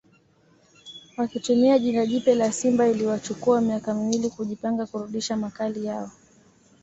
Wakitumia jina jipya la Simba iliwachukua miaka miwili kujipanga kurudisha makali yao